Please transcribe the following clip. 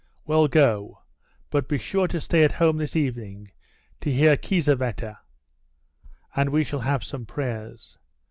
Well, go, but be sure to stay at home this evening to hear Kiesewetter, and we shall have some prayers.